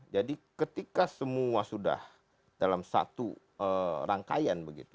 jadi ketika semua sudah dalam satu rangkaian begitu